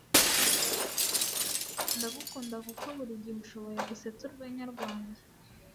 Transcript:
Ndagukunda kuko burigihe ushoboye gusetsa urwenya rwanjye